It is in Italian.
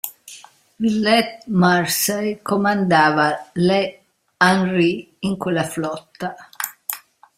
Villette-Mursay comandava "Le Henri" in quella flotta.